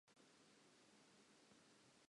O nahana ke mang ya hlodileng lefatshe?